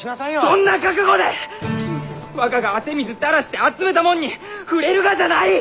そんな覚悟で若が汗水たらして集めたもんに触れるがじゃない！